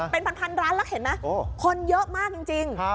เป็นพันร้านแล้วเห็นไหมคนเยอะมากจริง